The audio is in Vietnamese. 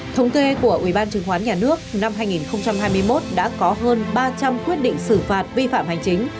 thống kê của ubnd năm hai nghìn hai mươi một đã có hơn ba trăm linh quyết định xử phạt vi phạm hành chính